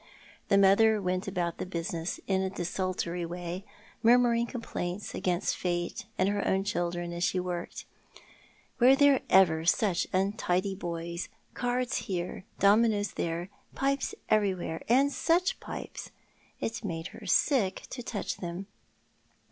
The mother went about the business in a desultory way, mur muring complaints against fate and her own children as she worked. Were there ever such untidy boys — cards here, dominoes there, jjipes everywhere— and such pipes ! It made her sick to touch them.